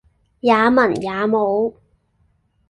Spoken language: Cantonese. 也文也武